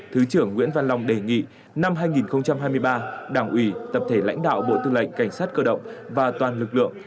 thứ trưởng nguyễn văn long đề nghị năm hai nghìn hai mươi ba đảng ủy tập thể lãnh đạo bộ tư lệnh cảnh sát cơ động và toàn lực lượng